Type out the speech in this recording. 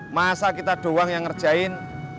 masa kita doang yang ngerjain